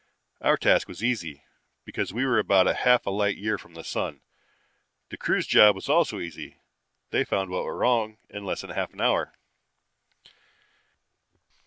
Our task was easy, because we were about half a light year from the sun. The crew's job was also easy: they found what went wrong in less than half an hour.